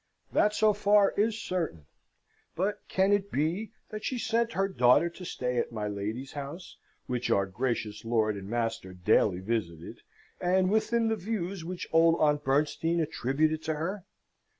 That, so far, is certain; but can it be that she sent her daughter to stay at my lady's house, which our gracious lord and master daily visited, and with the views which old Aunt Bernstein attributed to her?